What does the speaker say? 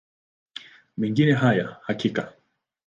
Mengine hayana hakika.